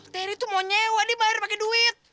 teri tuh mau nyewa di bayar pake duit